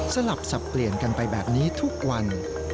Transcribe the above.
สลับสับเปลี่ยนกันไปแบบนี้ทุกวัน